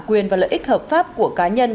quyền và lợi ích hợp pháp của cá nhân